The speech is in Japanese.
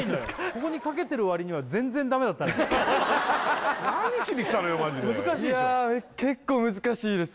ここにかけてる割には全然ダメだったね何しにきたのよマジでいや結構難しいです